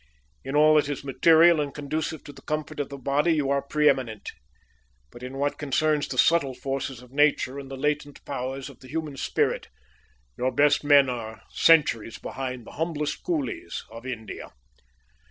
"In all that is material and conducive to the comfort of the body you are pre eminent, but in what concerns the subtle forces of Nature and the latent powers of the human spirit your best men are centuries behind the humblest coolies of India.